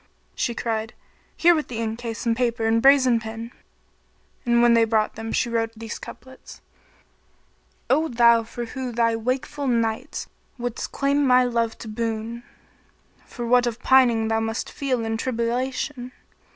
She cried, "Here with the ink case and paper and brazen pen;" and when they brought them she wrote these couplets, "O thou who for thy wakeful nights wouldst claim my love to boon, * For what of pining thou must feel and tribulation!